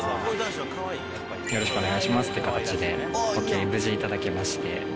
よろしくお願いしますって形で、ＯＫ、無事に頂きまして。